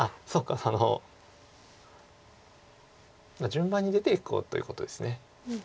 順番に出ていこうということですね。